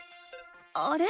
あれ？